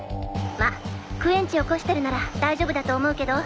まっクエンチ起こしてるなら大丈夫だと思うけど。